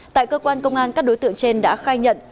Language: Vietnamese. tại cơ quan công an các đối tượng trên đã khai nhận